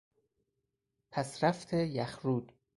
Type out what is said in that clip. پسرفت یخرود